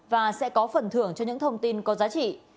và sẽ có phần thưởng cho những thông tin có giá trị